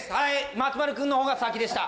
松丸くんのほうが先でした。